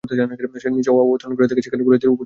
সে নীচে অবতরণ করে দেখে, সেখানে কুরাইশদের উপচে পড়া ভীড়।